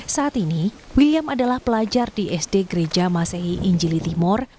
saat ini william adalah pelajar di sd gereja masehi injili timur